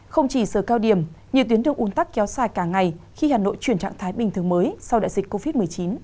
không chỉ giờ cao điểm nhiều tuyến đường un tắc kéo dài cả ngày khi hà nội chuyển trạng thái bình thường mới sau đại dịch covid một mươi chín